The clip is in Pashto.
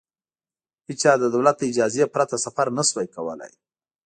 هېچا د دولت له اجازې پرته سفر نه شوای کولای.